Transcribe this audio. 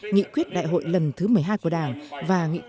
nghị quyết đại hội lần thứ một mươi hai của đảng